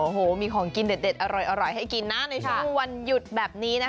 โอ้โหมีของกินเด็ดอร่อยให้กินนะในช่วงวันหยุดแบบนี้นะคะ